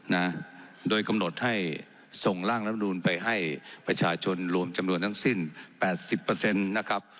นะโดยกำหนดให้ส่งร่างรับรูลไปให้ประชาชนรวมจำนวนทั้งสิ้น๘๐นะครับ